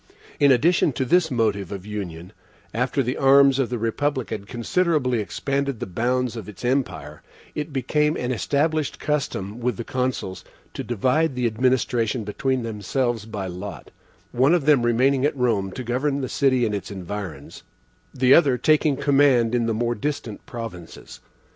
In addition to this motive of union, after the arms of the republic had considerably expanded the bounds of its empire, it became an established custom with the Consuls to divide the administration between themselves by lot one of them remaining at Rome to govern the city and its environs, the other taking the command in the more distant provinces.